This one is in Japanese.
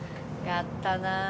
やったな。